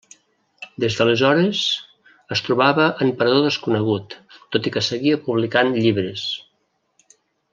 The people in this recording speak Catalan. Des d'aleshores es trobava en parador desconegut tot i que seguia publicant llibres.